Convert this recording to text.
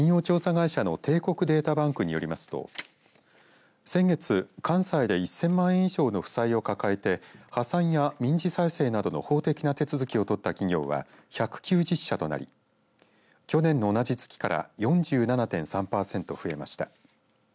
会社の帝国データバンクによりますと先月、関西で１０００万円以上の負債を抱えて破産や民事再生などの法的な手続きを取った企業は１９０社となり去年の同じ月から４７．３パーセント増えました。